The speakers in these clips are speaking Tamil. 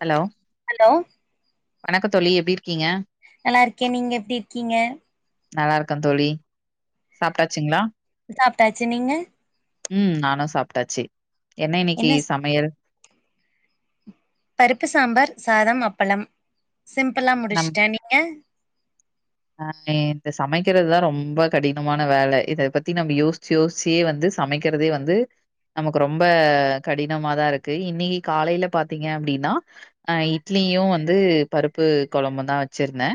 ஹலோ ஹலோ வணக்க தோழி எப்டி இருக்கீங்க நல்லா இருக்கேன் நீங்க எப்டி இருக்கீங்க நல்லா இருக்க தோழி சாப்ட்டாச்சுங்ளா சாப்ட்டாச்சு நீங்க ம் நானு சாப்ட்டாச்சு என்ன இன்னைக்கி சமையல் பருப்பு சாம்பார் சாதம் அப்பளம் சிம்புளா முடிச்ட்டே நீங்க அண்ணே இந்த சமைக்கிறதுதா ரொம்ப கடினமான வேல இத பத்தி நம்ம யோசிச்சு யோசிச்சுயே வந்து சமைக்கிறதே வந்து நமக்கு ரொம்ப கடினமாதா இருக்கு இன்னைக்கி காலையில பாத்தீங்க அப்டின்னா அ இட்லி இங்கயுவந்து பருப்பு கொழம்பு தா வச்சுருந்தே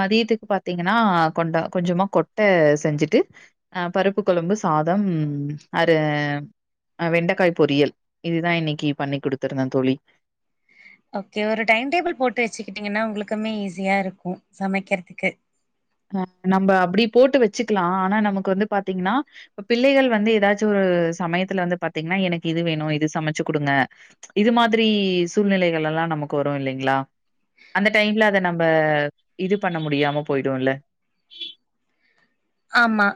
மதியத்துக்கு இப்போ பாத்தீங்கன்னா கொண்டா கொஞ்சமாக கொட்டை செஞ்சுட்டு பருப்பு கொழம்பு சாதம் அரு அ வெண்டைக்காய் பொரியல் இதுதா இன்னைக்கி பண்ணி் குடுத்திருந்தே தோழி ஓகே ஒரு டைம் டேபிள் போட்டு வச்சுக்கிட்டீங்கன்னா உங்களுக்குமே ஈஸியா இருக்கும் சமைக்கிறதுக்கு நம்ம அப்டி போட்டு வச்சுக்கலா ஆனா நமக்கு வந்து பாத்தீங்கன்னா பிள்ளைகள் வந்து எதாச்சு ஒரு சமயத்துல வந்து பாத்தீங்கன்னா எனக்கு இது வேணு இது சமைச்சு குடுங்க இது மாதிரி சூழ்நிலைகளெல்லா நம்ம நமக்கு வரும் இல்லைங்களா அந்த டைம்ல அத நம்ம இது பண்ண முடியாம போயிடும் இல்ல [inaudible] ஆமா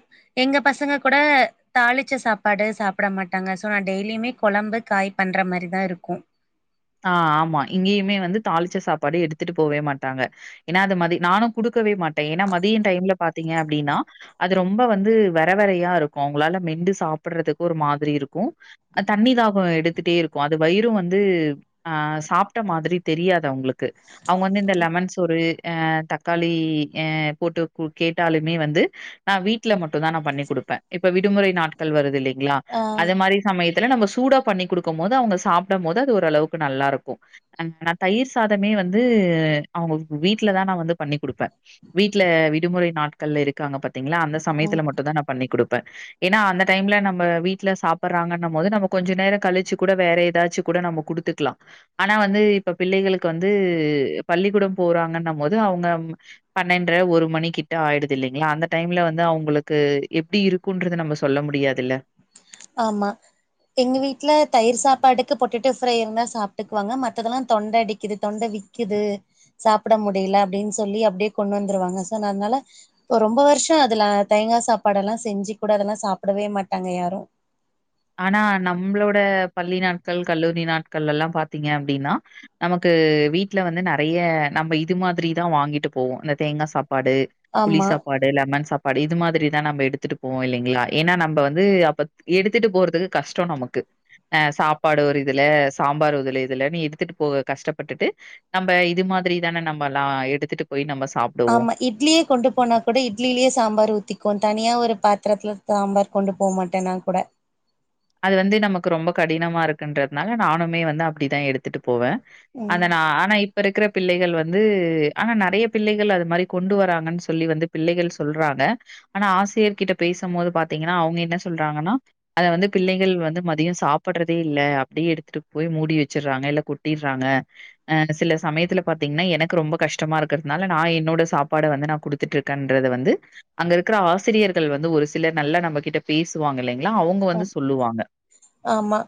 எங்க பசங்க கூட தாளிச்ச சாப்பாடு சாப்பிட மாட்டாங்க சோ நா டெய்லியுமே கொழம்பு காய் பண்ற மாரி தா இருக்கும் ஆ ஆமா இங்கேயுமே வந்து தாளிச்ச சாப்பாடு எடுத்துட்டு போவே மாட்டாங்க ஏன்னா அது மாதிரி நானு குடுக்க குடுக்கவே மாட்டே ஏன்னா மதியம் டைம்ல பார்த்தீங்கனா அப்படின்னா அது ரொம்ப வந்து வர வரையா இருக்கு அவங்களால மென் ண்டு சாப்பிடுறதுக்கு ஒரு மாதிரி இருக்கு தண்ணி தாக எடுத்துட்டே இருக்கு அது வயிரு வந்து ஆ சாப்ட்ட மாதிரி தெரியாது அவங்களுக்கு அவங்க வந்து இந்த லெமன் சோறு ஆ தக்காளி போட்டு கேட்டாலுமே வந்து நா வீட்டல மட்டும்தா நா பண்ணி் கொடுப்பே இப்ப விடுமுறை நாட்டு நாட்கள் வருது இல்லைங்களா ஆ அது மாதிரி சமயத்துல நம்ம சூடா பண்ணி குடுக்கு போது அவங்க சாப்பிடு போது அது ஒரளவுக்கு நல்லா இருக்கு நா தயிர் சாதமே வந்து அவங்க வீட்டுல தா வந்து பண்ணி் கொடுப்பே வீட்டுல விடுமுறை நாட்கள் இருக்காங்க பாத்தீங்களா அந்த ம், சமயத்துல மட்டும்த நா பண்ணி் கொடுக்க ஏன்னா அந்த டைம்ல நம்ம வீட்டுல சாப்படுறாங்கன்னு போது நம்ம கொஞ்ச நேர கழிச்சு கூட வேற ஏதாச்சு கூட நம்ம குடுத்து லா ஆனா வந்து இப்ப பிள்ளைகளுக்கு வந்து பள்ளிக்கூடம் போறாங்கன்ன போது அவங்க பன்னரெண்டுற ஒரு மணி கிட்ட ஆயிடுது இல்லைங்களா அந்த டைம்ல வந்து அவங்களுக்கு எப்படி இருக்கும்றது நம்ம சொல்ல முடியாதுல்ல ஆமா எங்க வீட்ல தயிர் சாப்பாடு க்கு பொட்டேட்டோ ஃப்ரை இருந்தா சாப்ட்டுக்வாங்க மத்ததெல்லா தொண்ட அடிக்குது தொண்ட விக்குது சாப்ட முடில அப்டின் சொல்லி அப்டியே கொண்டு வந்துருவாங்க சோ நா அதனால இப்ப ரொம்ப வருஷ அதுல தேங்கா சாப்பாடெலா செஞ்சு கூட அதெல்லா சாப்டவே மாட்டாங்க யாரும் ஆனா நம்ளோட பள்ளி நாட்கள் கல்லூரி நாட்கள்லலா பாத்தீங்க அப்டினா நமக்கு க்கு வீட்ல வந்து நிறைய நம்ம இது மாதிரிதா வாங்கிட்டு போவோம் இந்த தேங்கா சாப்பா சாப்பாடு புளி ஆமா சாப்பாடு லெமன் சாப்பா இது மாதிரிதா நம்ம எடுத்துட்டு போவோ இல்லைங்ளா ஏனா நம்ம வந்து அப்ப எடுத் கத்துட்டு போறதுக்கு கஷ்ட நமக்கு அஹ் சாப்பாடு ஒரு இதுல சாம்பார் ஒரு இல இதுல நீ எடுத்துட்டு போக கஷ்டப்பட்டுட்டு நம்ம இது மா மாரிதான நம்மலா எடுத்துட்டு போய் நம்ம சாப்டுவோ. ஆமா இட்லியே கொண்டு போனா கூட இட்லிலியே சாம்பார் ஊத்திக்கு தனியா ஒரு பாத்திரத்ல சாம்பார் கொண்டு போ மாட்ட நாகூட அது வந்து நமக்கு ரொம்ப கடினமா இருக்குன்றதனால நானுமே வந்து அப்டிதா எடுத்துட்டு போவ அத ம் நா ஆனா இப்ப இருக்ற பிள்ளைகள் வந்து ஆனா நிறைய பிள்ளைகள் அது மாரி கொண்டு வராங்கன் சொல்லி வந்து பிள்ளைகள் சொல்றாங்க ஆனா ஆசிரியர் கிட்ட பேசு போது பாத்தீங்னா அவங்க என்ன சொல்றாங்கன்னா அத வந்து பிள்ளைகள் வந்து மதியம் சாப்பறதே இல்ல அப்டியே எடுத்துட்டு போய் மூடி வச்சறாங்க இல்ல கொட்டிறாங்க ஆ சில சமயத்துல பாத்தீங்னா எனக்கு ரொம்ப கஷ்டமா இருக்றதுனால நா என்னோட சாப்பாட வந்து நா குடுத்துட்ருக்கன்ற ன்றது வந்து அங்க இருக்ற ஆசிரியர்கள் வந்து ஒரு சிலர் நல்லா நம்ம கிட்ட பேசுவாங்க இல்லைங்ளா அவங்க அ வந்து சொல்லுவாங்க. ஆமா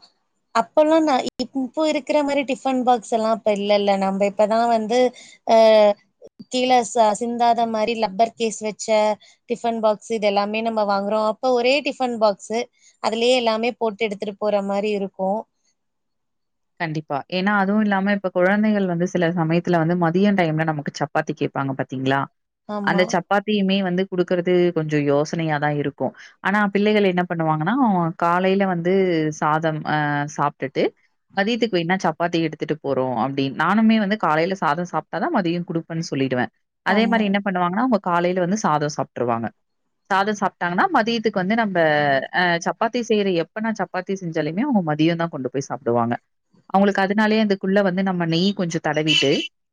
அப்பல்லா நா இங் இப்போ இருக்ற மாரி டிபன் பாக்ஸ்லா அப்ப இல்லல்ல நம்ம இப்பதா வந்து கீழ ச சிந்தாத மாரி லப்பர் கேஸ் வச்ச டிஃபன் பாக்ஸ் இது எல்லாமே நம்ம வாங்குறோ அப்ப ஒரே டிஃபன் பாக்ஸ்சு அதுலயே எல்லாமே போட்டு எடுத்துட்டு போற மாரி இருக்கு கண்டிப்பா ஏனா அதுவு இல்லாம இப்ப குழந்தைகள் வந்து சில சமயத்துல வந்து மதிய டைம்ல நமக்கு சப்பாத்தி கேப் கேப்பாங்க பாத்தீங்ளா அந்த ஆமா சப்பாத்தியுமே வந்து குடுக்கறது கொஞ்ச யோசனையாதா இருக்கு ஆனா பிள்ளைகள் என்ன பண்ணுவாங்கனா காலைல வந்து சாதம் அ சாப்ட்டுட்டு மதியத்துக்கு வேன்னா சப்பாத்தி எடுத்துட்டு போறோ அப்டின் நானுமே வந்து காலைல சாதம் சாப்ட்டாதா மதியம் குடுப்பன் சொல்லிடுவ அதே ஆமா மாரி என்ன பண்ணுவாங்கனா அவங்க காலைல வந்து சாதம் சாப்ட்ருவாங்க சாதம் சாப்ட்டாங்கனா மதியத்துக்கு வந்து நம்ம அ சப்பாத்தி செய்யற எப்பனா சப்பாத்தி செஞ்சாலுமே மதியந்தா கொண்டு போய் சாப்டுவாங்க அவங்ளுக்கு அதனாலியே அந்தக்குள்ள வந்து நம்ம நெய் கொஞ்ச தடவிட்டு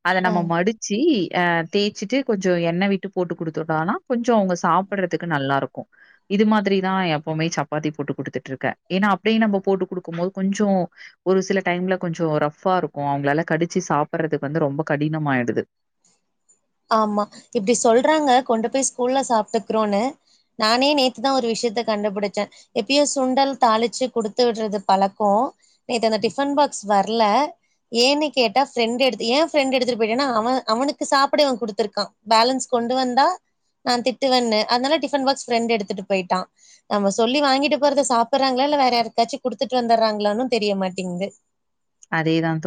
அத ஆ நம்ம மடிச்சி அ தேய்ச்சிட்டு கொஞ்ச எண்ண விட்டு போட்டு குடுத்துட்டானா கொஞ்ச அவங்க சாப்ட்றதுக்கு நல்லாருக்கு இது மாதிரிதா எப்புமே சப்பாத்தி போட்டு குடுத்துட்ருக்க ஏனா அப்டியே நம்ம போட்டு குடுக்கும் போது கொஞ்சோ ம் ஒரு சில டைம்ல கொஞ்ச ரஃப்பாருக்கு அவங்ளால கடிச்சு சாப்டறதுக்கு வந்து ரொம்ப கடினமாயிடுது [inaudible] ஆமா இப்டி சொல்றாங்க கொண்டு போய் ஸ்கூல்ல சாப்ட்டுக்றோன்னு நானே நேத்துதா ஒரு விஷ்யம் த்த கண்டுபுடிச்ச எப்பியு சுண்டல் தாளிச்சு குடுத்துவிட்றது பழக்கோ நேத்து அந்த டிஃபன் பா க்ஸ் வர்ல ஏன்னு கேட்டா பிரெண்ட் எடுத் ஏ பிரெண்ட் எடுத்துட்டு போய்ட்டானா அவ அவனுக்கு சாப்ட இவ குடுத்ருக்கா பேலன்ஸ் கொண்டு வந்தா நா திட்டுவன்னு அதனால டிஃபன் பாக்ஸ் பிரெண்ட்டு எடுத்துட்டு போய்ட்டா நம்ம சொல்லி வாங்கிட்டு போறத சாப்றாங்ளா இல்ல வேற யாருக்காச்சு குடுத்துட்டு வந்தறாங்ளானு தெரியமாட்டேங்து அதேதான்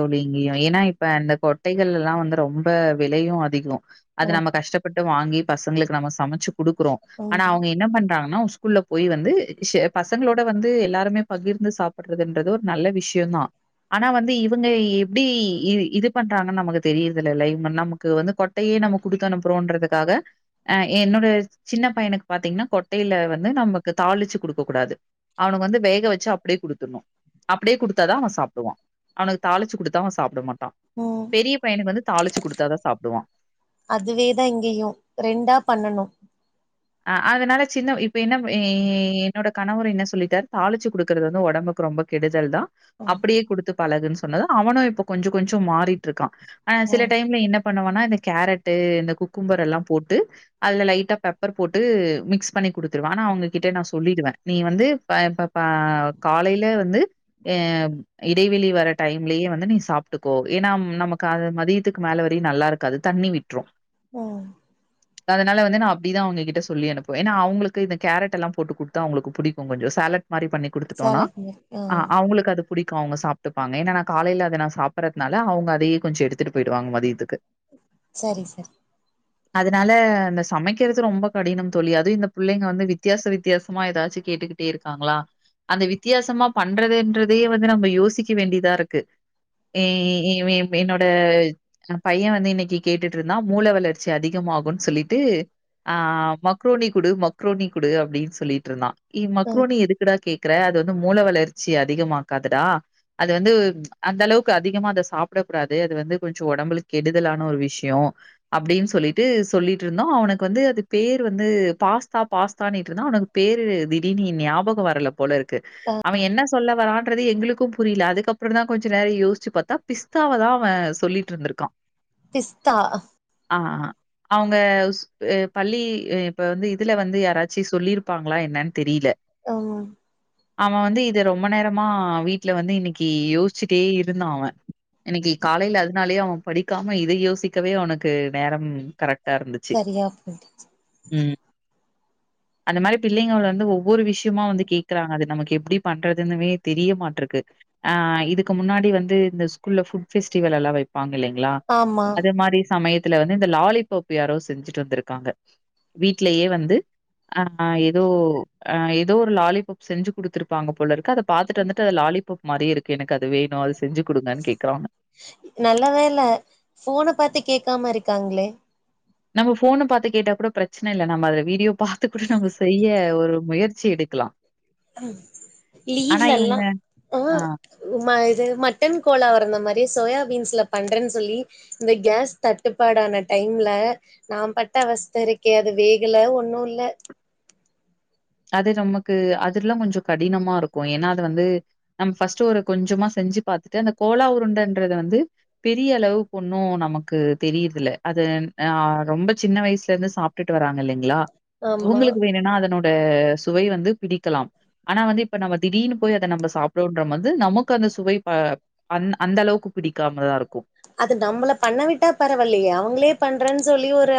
தலலாம் வந்து ரொம்ப விலையு அதிக அது ம் நம்ம கஷ்டப்பட்டு வாங்கி பசங்ளுக்கு நம்ம சமச்சு குடுக்குறோ ம் ஆனா அவங்க என்ன பண்றாங்கனா ஸ்கூல்ல போய் வந்து பசங்ளோட வந்து எல்லாருமே பகிர்ந்து சாப்றதுன்றது ஒரு நல்ல விஷ்யந்தா ஆனா வந்து இவங்க எப்டி இ இது பண்றாங்கன் நமக்கு தெரியரதுலல இவுங்க நமக்கு வந்து கொட்டையே நம்ம குடுத்துனுப்புறோன்றதுக்காக என்னோட சின்ன பையனுக்கு பாத்தீங்னா கொட்டைல வந்து நமக்கு தாளிச்சு குடுக்கக்கூடாது அவனுக்கு வந்து வேக வச்சு அப்டியே குடுத்துன்னு அப்டியே குடுத்தாதா அவ சாப்டுவா அவனுக்கு தாளிச்சு கொடுத்தா அவன் சாப்பிட மாட்டா ம் பெரிய பையனுக்கு வந்து தாளிச்சு கொடுத்தாாதான் சாப்டுவா அதுவே தான் இங்கயும் ரெண்டா பண்ணனு அ அதனால சின்ன இப்ப என்ன என்னோட கணவர் என்ன சொல்லிட்டாரு தாளிச்சு கொ குடுக்கறது வந்து உடம்பு ரொம்ப கெடுதல் தான் ம் அப்படியே குடுத்து பழகுன்னு சொன்னது அவனும் இப்ப கொஞ்சம் கொஞ்சம் மாறிட்டு இருக்கா ஆன சில ம் டைம்ல என்ன பண்ணுவனா இந்த கேரட்டு இந்த குக்கும்ம்பர் எல்லா போட்டு அதுல லைட்டா பெப் பெப்பர் போட்டு மிக்ஸ் பண்ணி கொடுத்துடுவே அவங்ககிட்ட நான் சொல்லிடுவே நீ வந்து காலையில வந்து இடைவெளி வர டைம்லயே வந்து நீ சாப்ட்டுக்கோ ஏன்னா நமக்கு மதியத்துக்கு மேல வரையும் நல்லா இருக்காது தண்ணி விட்டுறோ ஆ அதனால வந்து நா அப்படிதான் அவங்ககிட்ட சொல்லி அனுப்புவே ஏன்னா அவங்களுக்கு இந்த கேரட்ல்ல போட்டு கொடுத்தா அவங்களுக்கு பிடிக்கும் கொஞ்சம் சாலட் மாரி பண்ணி குடுத்துட்டோம்னா சேலட் மில்க் ஆ அவங்களுக்கு அது புடிக்கும் அவங்க சாப்ட்டுப்பாங்க ஏன்னான்னா காலையில் அதை நான் சாப்பிடறதுனால அவங்க அதையே கொஞ்சம் எடுத்துட்டு போயிடுவாங்க மதியத்துக்கு சரி சரி அதனால அந்த சமைக்க கருது ரொம்ப கடினம் தோழி அதுவும் இந்த பிள்ளைக வந்து வித்தியாச வித்தியாசமா ஏதாச்சு கேட்டுக்கிட்டே இருக்காங்களா அந்த வித்தியாசமா பண்றதே வந்து நம்ம யோசிக்க வேண்டியதா இருக்கு ஏ ஏ என்னோட பையன் வந்து இன்னைக்கு கேட்டுட்டு இருந்தா மூல வளர்ச்சி அதிகம் ஆகும் சொல்லிட்டு ஆ மக்ரோனி குடு மக்ரோனி குடு அப்படின்னு சொல்லிட்டு இருந்தா ஆ மக்ரோனி எதுக்குடா கே அத வந்து மூல வளர்ச்சி அதிகமாக்காதுடா அது வந்து அந்த அளவுக்கு அதிகமா அத சாப்பிட சாப்பிட கூடாது டா அது வந்து கொஞ்சம் உடம்புக்கு கெடுதலான ஒரு விஷயம் அப்படின்னு சொல்லிட்டு சொல்லிட்டு இருந்தோ அவனுக்கு வந்து அது பேர் வந்து பாஸ்தா பாஸ்தா அன்நீஇட் இருந்தா அவனுக்கு பேரு திடீ ஞாபகம் வரல போல இருக்கு அவன் என்ன சொல்ல வரான்றுது எங்களுக்கு புரியல அதுக்கப்புறம் தான் கொஞ்சம் நேரம் யோசிச்சு பார்த்தா பிஸ்தாவைதா அவ சொல்லிட்டு இருந்துரூக்கா பிஸ்தா ஆ அவங்க பள்ளி இப்ப வந்து இதுல வந்து யாராச்சு சொல்லியிருப்பாங்களா என்னன்னு தெரியல ஆ அவ வந்து இத ரொம்ப நேரமா வீட்டுல வந்து இன்னைக்கு யோசிச்சுட்டே இருந்தா அவ இன்னைக்கு காலையில அதனாலயே அவன் படிக்காம இதை யோசிக்கவே அவனுக்கு நேரம் கரெக்ட் டா இருந்துச்சு [inaudible] ம் [inaudible] அந்த மாரி பிள்ளைங்க வந்து ஒவ்வொரு விஷயமா வந்து கேக்குறாங்க அது நமக்கு எப்படி பண்றதுன்னுமே தெரிய மாட்ருக்கு ஆ இதுக்கு முன்னாடி வந்து இந்த ஸ்கூல்ல புட் பெஸ்டிவல் எல்லாம் வைப்பாங்க இல்லங்க ல ஆமா அத மாரி சமயத்துல வந்து இந்த லாலிபப் யாராது செஞ்சுட் டு வந்திருகாங்க வீட்லயே வந்து ஆ எதோ ஆ எதோ ஒரு லாலிபப் செஞ்சு குடுத்துருப்பாங்க போலருக்கு அதப் பாத்துட்டு வந்துட்டு அது லாலிபப் மாரி இருக்கு எனக்கு அது வேணு அது செஞ்சு குடுங்கன்னு கேக்குறாங்க நல்ல வேல போன பாத்து கேக்காம இருக்காங்களே நம்ம போன பாத்து கேட்டா கூட பிரச்சன இல்ல நம்ம அது வீடியோ பாத்து கூட நம்ம செய்ய ஒரு முயற்சி எடுக்கலா ம் ஆனா லீவ்ல எல்லா இவங்க ஆ இது மட்டன் கோலா வரந்த மாரி தே சோயாபீன்ஸ்ல பண்றன் சொல்லி இந்த கேஸ் தட்டுப்பாடான டைம்ல நா பட் அவஸ்தருக்கே அது வேகல ஒன்னு இல்ல அது நமக்கு அதுல்லா கொஞ்ச கடினமாருக்கு ஏன்னா அது வந்து நம்ம ஃபர்ஸ்ட் ஒரு கொஞ்சமா செஞ் ஞ்சி பாத்துட்டு அந்த கோலா உருண்டன்றத வந்து பெரிய அளவு ஒன்னு நமக்கு தெரியிரதில்ல அத ஆ ரொம்ப சின்ன வயசுல இருந்து சாப்டுட்டு வராங்க இல்லைங்களா ஆமா அவுங்களுக்கு வேணுனா அதனோ ந்த சுவை வந்து பிடிக்கலாம் ஆனா வந்து இப்ப நம்ம திடீனு போய் அத நம்ப சாப்டோன்ற வந்து நமக்கு அந் ந்த சுவை ப அந் அந்த அளவுக்கு பிடிக்காமதா இருக்கு அது நம்பள பண்ண விட்டா பரவால்லையே அவங்களே பண்றன் சொல்லி ஒரு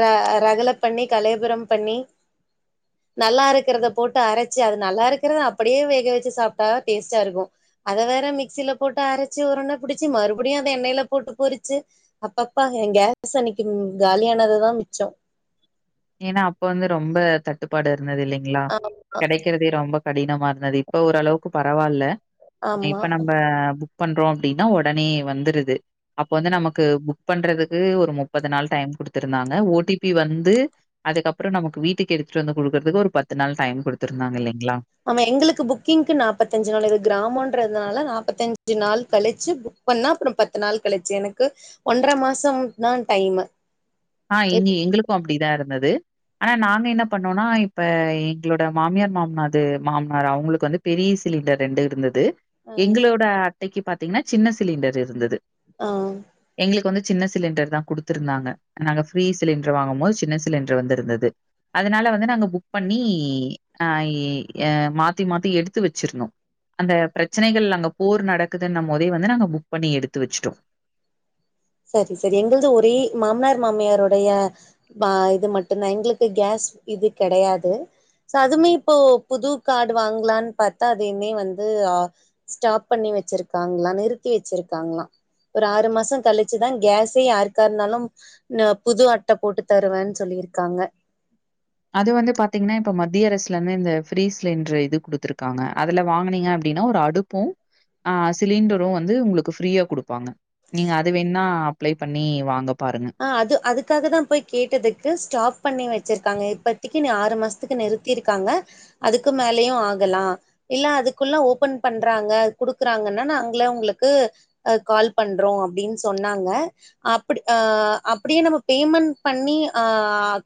ர ரக ல பண்ணி கலேபுரம் பண்ணி நல்லா இருக்கிறத போட்டு அரைச்சு அது நல்லா இருக்கிறத அப்படியே வேக வச்சு சாப்டா தா டேஸ்ட்டா இருக்கு அத வேற மிக்சில போட்டு அரைச்சு உருண்ட புடிச்சு மறு அப்புடியே அத எண்ணெய்ல போட்டு பொரிச்சு அப்பப்பா ஏ கேஸ் அன்னைக்கு காலியானது தா மிச்சோ ஏன்னா அப்ப வந்து ரொம்ப தட்டுப்பாடு இருந்தது இல்லைங்களா ஆமா கெடைக்கறதே ரொம்பக் கடினமா இருந்தது இப்ப ஓரளவுக்கு பரவால்ல ஆமா இப்ப நம்ப பண்றோ அப்டின்னா வொடனே வந்துருது அப்ப வந்து நமக்கு புக் பண்றதுக்கு ஒரு முப்பது நாள் டைம் குடுத்திருந்தாங்க ஓ டி பி வந்து அதுக்கப்பற நமக்கு வீட்டுக்கு எடுத்துட்டு வந்து குடுகறதுக்கு ஒரு பத்து நாள் டைம் குடுத்துருந்தாங்க இல்லங் ஆமா எங்களுக்கு புக்கிங்க்கு நாப்பத்தஞ்சு நாள் இது கிராமன்றதுனால நாப் பத்தஞ்சு நாள் கழிச்சு புக் பண்ண அப்புற பத்து நாள் கழிச்சு எனக்கு ஒன்ற மாசம் தான் டை ம்ம ஆ எங்க எங்களுக்கு அப்டிதா இருந்தது ஆனா நாங்க என்ன பண்ணோனா இப்ப எங்களோட மாமியார் மாமனாது மாமனார் அவங்களுக்கு வந்து பெரிய சி சிலிண்டர் ரெண்டு இருந்தது ஆ எங்களோட அட்டைக்கு பாத்தீங்னா சின்ன சிலிண்டர் இருந்தது ஆ எங்களுக்கு வந்து சின்ன சிலிண்டர் தா குடுத்திருந்தாங்க நாங்க ஃப்ரீ சிலிண்டர் வாங்கும் போது சின்ன சிலிண்டர் வந்திருந்தது அதனால வந்து நாங்க புக் பண்ணி அ எ மாத்தி மாத்தி எடுத்து வச்சிருணோ அந்த பிரச்சனைகள் நாங்க போர் நடக்குதுன்ன போதே வந்து நாங்க புக் பண்ணி எடுத்து வச்சுட்டோ [inaudible] சரி சரி எங்களது ஒரே மாமனார் மாமியருடைய ப இது மட்டுந்தா எங்களுக்கு கேஸ் இது கெடையாது ச அதுமே இப்போ புது கார்டு வாங்லான் பாத்தா அதையமே வந்து அ ஸ்டாப் பண்ணி வச்சிருக்காங்ளா நிறுத்தி வச்சிருக்காங்ளா ஒரு ஆறு மாச கழி ச்சுதா கேஸே யாருக்கா இருந்தாலு புது அட்ட போட்டு தருவன் சொல்லிருக்காங்க [inaudible] அது வந்து பாத்தீங்னா இப்ப மத்திய அரசுல இருந்து இந்த ஃப்ரீ சிலிண்டுரு இது குடுத்திருக்காங்க அதுல வாங்கனீங்க அப் ப்டினா ஒரு அடுப்பு ஆ சிலிண்டரு வந்து உங்களுக்கு ஃப்ரீயா குடுப்பாங்க நீங்க அது வேணா அப்ளை பண்ணி வாங்கப் ஆ அது அதுக்காக தா போய் கேட்டதுக்கு ஸ்டாப் பண்ணி வச் சிருக்காங்க இப்பத்திக்கு நீ ஆறு மாசத்துக்கு நிறுத்திருக்காங்க அதுக்கு மேலயு ஆகலா இல்ல அதுக்குள்ள ஓபன் பண்றாங்க குடுக்குறாங்கன்னா நாங்கள உங்களுக்கு கால் பண்றோ அப்டின் சொ சொன்னாங்க அப்புடி அ அப்டி நம்ம பேமெண்ட் பண்ணி அ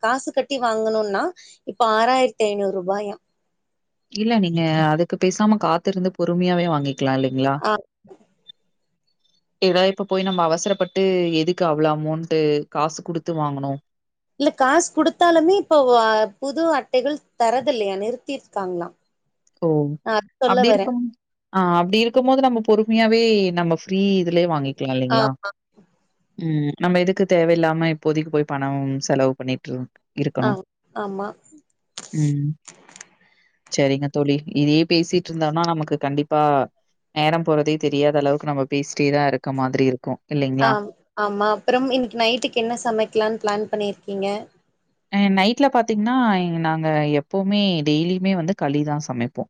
காசு கட்டி வாங்கணுன்னா இப்ப ஆறாயிரத்தி ஐநூறு ரூபாயா இல்ல நீங்க அதுக்கு பேசாம காத்திருந்து பொறுமையாவே வாங்கி க்கலா இல்லீங்ளா ஆ [inaudible] ஏனா இப்ப போய் நம்ம அவசரப்பட்டு எதுக்கு அவ்ள அமோண்ட்டு காசு குடுத்து வாங்கணு இல்ல காசு குடுத்தாலுமே இப்ப வ புது அட்டைகள் தரதில்லையா நிறுத்திருக்காங்களா ஓ ஆ சொல்ல அப்டி வரே இருக்கும் ஆ அப்டி இருக்கும் போது நம்ம பொறுமையாவே நம்ம ஃப்ரீ இதுலயே வாங்கிக்கலா ஆ இல்லீங்களா ம் நம்ம எதுக்கு தேவயில்லாம இப்போதிக்கி போய் பணம் செலவு பண்ணிட்டு இருக் ஆ இருக்கணு ஆமா ம் சரிங்க தோழி இதையே பேசிட்டு இருந்தோனா நமக்கு கண்டிப்பா நேரம் போறதே தெரியாத அளவுக்கு நம்ம பேசிட்டேதா இருக்க மாதிரி இருக்கு ஆ ஆமா அப்பறம் இன்னக்கி நைட்டுக்கு என்ன சமைக்கலான் பிளான் பண்ணிருக்கீங்க அ நைட்ல பாத்தீங்ன்னா நாங்க எப்போமே டெய்லிமே வந்து களிதா சமைப்போ.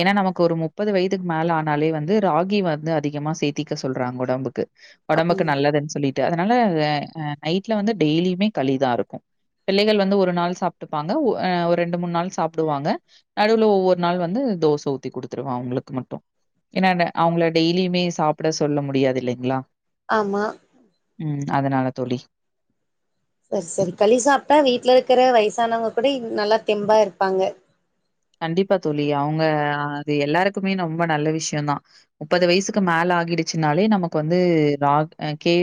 ஏனா நமக்கு ஒரு முப்பது வயதுக்கு மேல ஆனாலே வந்து ராகி வந்து அதிகமா சேத்திக்க சொல்றாங்க ஒடம்புக்கு ஒடம்புக்கு நல்லதுன் சொல்லீட்டு அதனால ஹ அ நைட்ல வந்து டெய்லியுமே களிதா இருக்கு. பிள்ளைகள் வந்து ஒரு நாள் சாப்ட்டுப்பாங்க ஒ அ ஒரு ரெண்டு மூண் நாள் சாப்டுவாங்க. நடுல ஒவ்வொர் நாள் வந்து தோச ஊத்தி குடுத்துருவ அவ்களுக்கு மட்டு ஏன்னா ந அவுங்கள டெய்லியுமே சாப்ட சொல்ல முடியாது இல்லைங்ளா ஆமா ம் அதுனால தோழி அ செரி களி சாப்ட்டா வீட்ல இருக்கற வயசானவங்க கூட நல்லா தெம்பா இருப்பாங்க. கண்டிப்பா தோழி. அவுங்க அது எல்லாருக்குமே ரொம்ப நல்ல விஷ்யந்தா முப்பது வய்சுக்கு மேல ஆகிடுச்சுனாலே நமக்கு வந்து ராக் அ கே